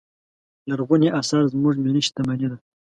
لرغوني اثار زموږ ملي شتمنې ده.